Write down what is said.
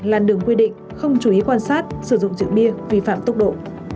làn đường quy định không chú ý quan sát sử dụng rượu bia vi phạm tốc độ